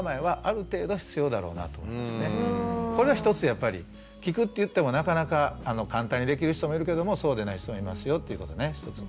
やっぱり聴くっていってもなかなか簡単にできる人もいるけどもそうでない人もいますよっていうことね。